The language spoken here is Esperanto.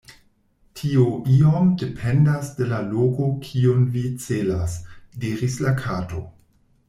"Tio iom dependas de la loko kiun vi celas," diris la Kato.